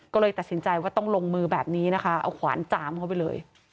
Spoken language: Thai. ก็เลยตัดสินใจว่าต้องลงมือแบบนี้นะคะเอาขวานจามเข้าไปเลย